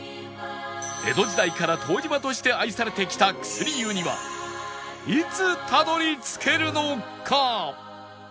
江戸時代から湯治場として愛されてきた薬湯にはいつたどり着けるのか？